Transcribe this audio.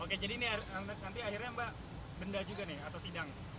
oke jadi ini nanti akhirnya mbak benda juga nih atau sidang